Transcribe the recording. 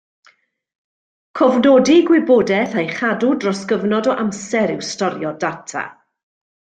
Cofnodi gwybodaeth a'i chadw dros gyfnod o amser yw storio data.